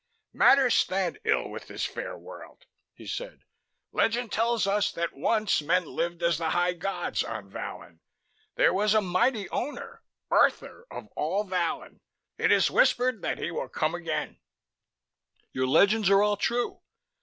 "Matters stand ill with this fair world," he said. "Legend tells us that once men lived as the High Gods on Vallon. There was a mighty Owner, Rthr of all Vallon. It is whispered that he will come again " "Your legends are all true.